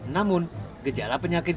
namun gejala penyakitnya